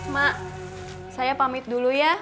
mak saya pamit dulu ya